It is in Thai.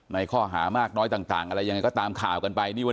ในข้อหามากน้อยต่างอะไรยังไงก็ตามข่าวกันไป